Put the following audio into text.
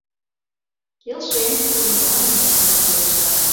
— Келшем, — кумылаҥын, ласкан пелешта.